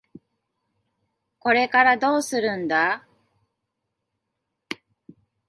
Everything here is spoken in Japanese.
これからどうするんだ？